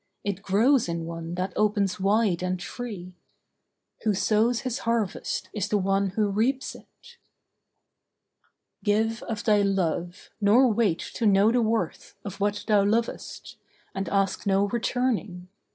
It grows in one that opens wide and free. Who sows his harvest is the one who reaps it. Give of thy love, nor wait to know the worth Of what thou lovest; and ask no returning.